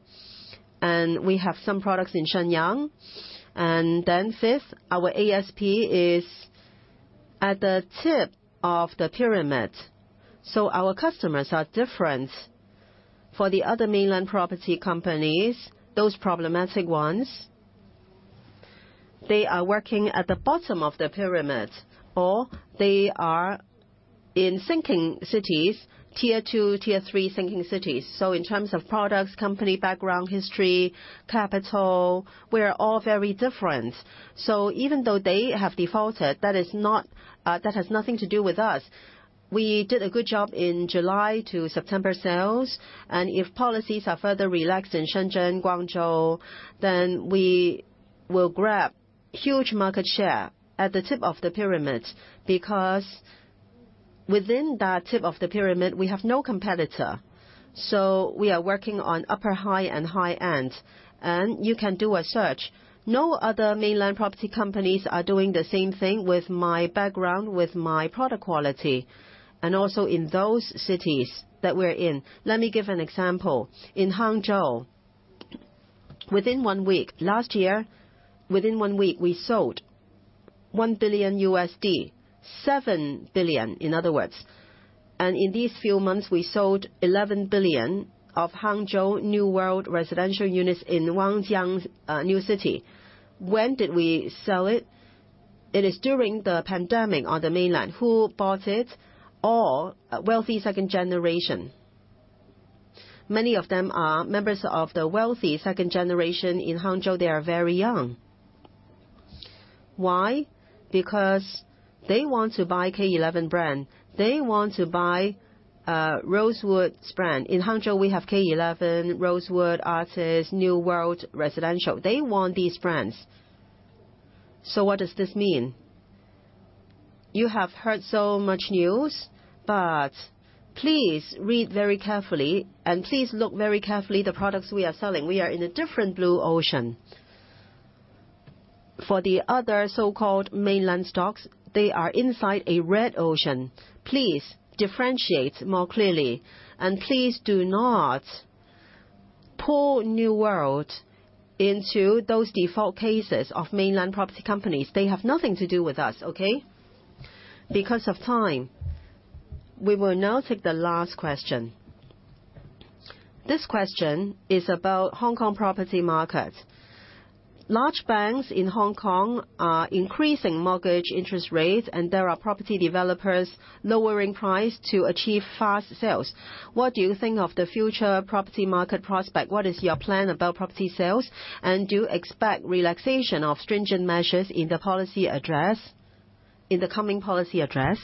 Speaker 3: and we have some products in Shenyang. And then fifth, our ASP is at the tip of the pyramid, so our customers are different. For the other mainland property companies, those problematic ones, they are working at the bottom of the pyramid, or they are in sinking cities, tier two, tier three sinking cities. So in terms of products, company background, history, capital, we are all very different. So even though they have defaulted, that is not... That has nothing to do with us. We did a good job in July to September sales, and if policies are further relaxed in Shenzhen, Guangzhou, then we will grab huge market share at the tip of the pyramid, because within that tip of the pyramid, we have no competitor, so we are working on upper, high, and high end. You can do a search. No other mainland property companies are doing the same thing with my background, with my product quality, and also in those cities that we're in. Let me give an example. In Hangzhou, within one week, last year, within one week, we sold $1 billion, 7 billion, in other words, and in these few months, we sold 11 billion of Hangzhou New World residential units in Wangjiang New City. When did we sell it? It is during the pandemic on the mainland. Who bought it? All wealthy second generation. Many of them are members of the wealthy second generation in Hangzhou. They are very young. Why? Because they want to buy K11 brand. They want to buy, Rosewood's brand. In Hangzhou, we have K11, Rosewood, Artus, New World residential. They want these brands. So what does this mean? You have heard so much news, but please read very carefully, and please look very carefully the products we are selling. We are in a different blue ocean. For the other so-called mainland stocks, they are inside a red ocean. Please differentiate more clearly, and please do not pull New World into those default cases of mainland property companies. They have nothing to do with us, okay?
Speaker 1: Because of time, we will now take the last question. This question is about Hong Kong property market. Large banks in Hong Kong are increasing mortgage interest rates, and there are property developers lowering price to achieve fast sales. What do you think of the future property market prospect? What is your plan about property sales, and do you expect relaxation of stringent measures in the Policy Adress, in the coming Policy Address?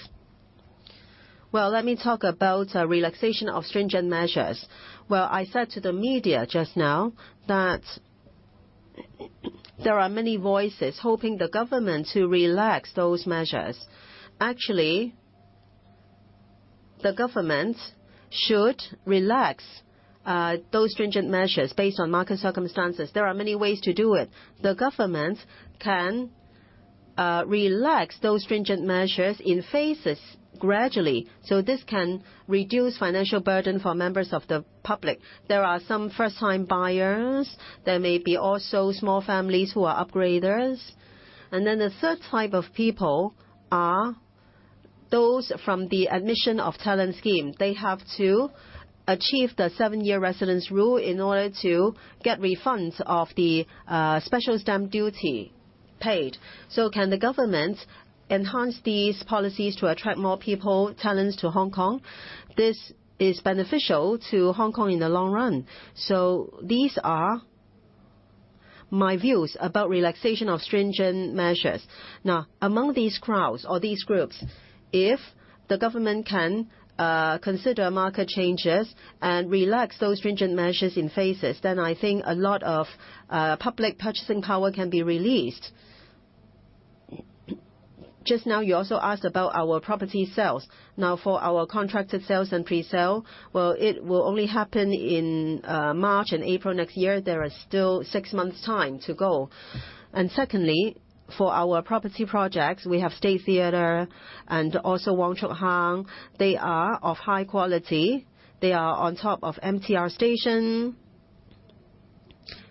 Speaker 3: Well, let me talk about relaxation of stringent measures. Well, I said to the media just now that there are many voices hoping the government to relax those measures. Actually, the government should relax those stringent measures based on market circumstances. There are many ways to do it. The government can relax those stringent measures in phases, gradually, so this can reduce financial burden for members of the public. There are some first-time buyers. There may be also small families who are upgraders. And then the third type of people are those from the Admission of Talent Scheme. They have to achieve the seven-year residence rule in order to get refunds of the Special Stamp duty paid. So can the government enhance these policies to attract more people, talents to Hong Kong? This is beneficial to Hong Kong in the long run. So these are my views about relaxation of stringent measures. Now, among these crowds or these groups, if the government can consider market changes and relax those stringent measures in phases, then I think a lot of public purchasing power can be released. Just now, you also asked about our property sales. Now, for our contracted sales and presale, well, it will only happen in March and April next year. There is still six months' time to go. Secondly, for our property projects, we have State Theatre and also Wong Chuk Hang. They are of high quality. They are on top of MTR station.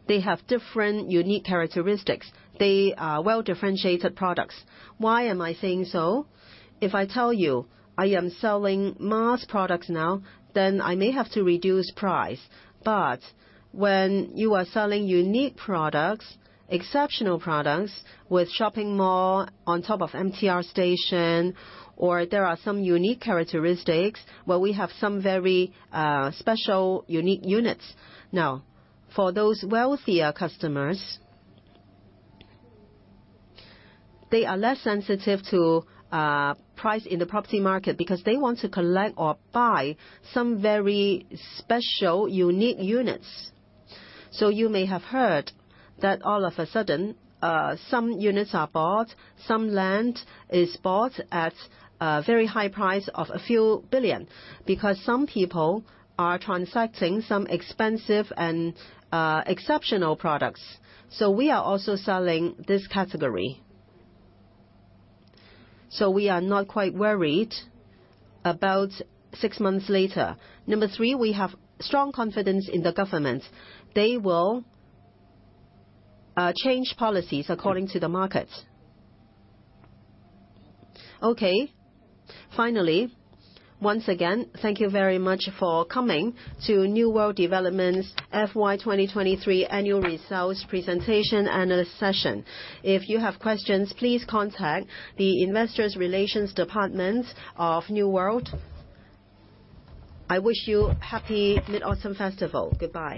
Speaker 3: They have different unique characteristics. They are well-differentiated products. Why am I saying so? If I tell you I am selling mass products now, then I may have to reduce price. But when you are selling unique products, exceptional products, with shopping mall on top of MTR station, or there are some unique characteristics, well, we have some very, special, unique units. Now, for those wealthier customers, they are less sensitive to, price in the property market because they want to collect or buy some very special, unique units. So you may have heard that all of a sudden, some units are bought, some land is bought at a very high price of a few billion HKD, because some people are transacting some expensive and, exceptional products. So we are also selling this category. So we are not quite worried about 6 months later. Number 3, we have strong confidence in the government. They will, change policies according to the market.
Speaker 1: Okay, finally, once again, thank you very much for coming to New World Development's FY 2023 annual results presentation and session. If you have questions, please contact the Investor Relations Department of New World. I wish you happy Mid-Autumn Festival. Goodbye.